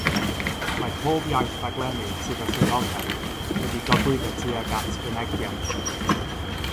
Mae pob iaith raglennu sydd â swyddogaeth wedi gogwyddo tuag at fynegiant.